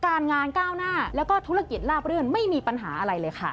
การงานก้าวหน้าแล้วก็ธุรกิจลาบรื่นไม่มีปัญหาอะไรเลยค่ะ